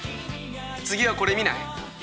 次はこれ見ない？